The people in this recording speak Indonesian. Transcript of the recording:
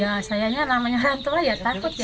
ya sayanya namanya hantu lah ya takut ya